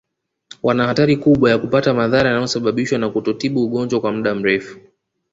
Wana hatari kubwa ya kupata madhara yanayosababishwa na kutotibu ugonjwa kwa muda mrefu